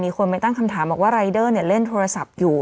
คนไปตั้งคำถามบอกว่ารายเดอร์เล่นโทรศัพท์อยู่